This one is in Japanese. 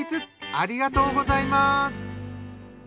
ありがとうございます。